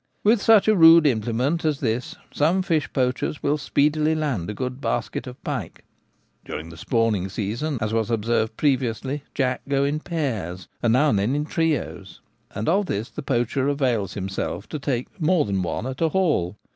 With such a rude implement as this some fish poachers will speedily land a good basket of pike. A Good Haul. 187 During the spawning season, as was observed pre viously, jack go in pairs, and now and then in trios, and of this the poacher avails himself to take more than one at a haul.